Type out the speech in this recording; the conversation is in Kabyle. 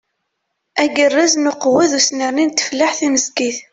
Agerrez n uqewwet d usnerni n tfellaḥt timezgit.